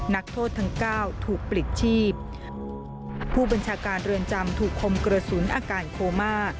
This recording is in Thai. นักโทษทั้งเก้าถูกปลิดชีพผู้บัญชาการเรือนจำถูกคมกระสุนอาการโคม่า